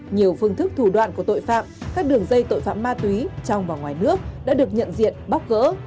nhiều phương thức thủ đoạn của tội phạm các đường dây tội phạm ma túy trong và ngoài nước đã được nhận diện bóc gỡ